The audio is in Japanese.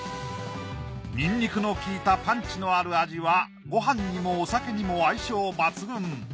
ニンニクのきいたパンチのある味はごはんにもお酒にも相性抜群。